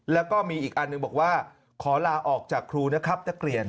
แล้วก็มีอีกอันหนึ่งบอกว่าขอลาออกจากครูนะครับนักเรียน